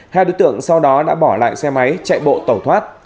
hai đối tượng sau đó đã bỏ lại xe máy chạy bộ tẩu thoát